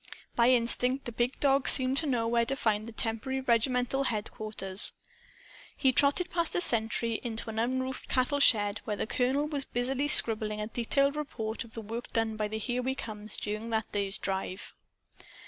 By instinct, the big dog seemed to know where to find the temporary regimental headquarters. He trotted past a sentry, into an unroofed cattle shed where the colonel was busily scribbling a detailed report of the work done by the "Here We Comes" during that day's drive.